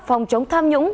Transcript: phòng chống tham nhũng